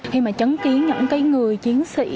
khi mà chấn kiến những người chiến sĩ